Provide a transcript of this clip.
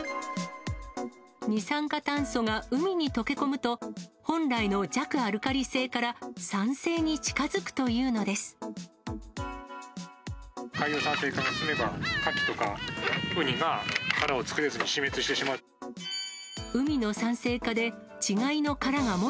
二酸化炭素が海に溶け込むと、本来の弱アルカリ性から酸性に近づくというのです。